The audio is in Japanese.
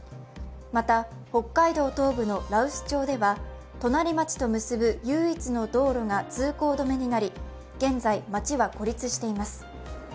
また、北海道東部の羅臼町では隣町と結ぶ唯一の道路が通行止めになり、現在、町は孤立しています。